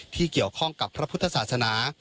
ที่เกี่ยวข้องกับพระพุทธศาสนา